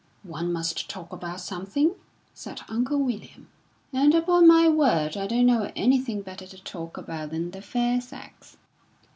"One must talk about something," said Uncle William. "And upon my word, I don't know anything better to talk about than the fair sex."